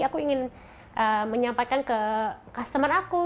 aku ingin menyampaikan ke customer aku